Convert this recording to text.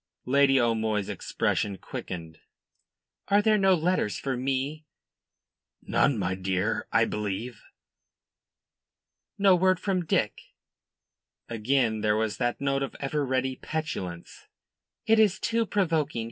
Lady O'Moy's expression quickened. "Are there no letters for me?" "None, my dear, I believe." "No word from Dick?" Again there was that note of ever ready petulance. "It is too provoking.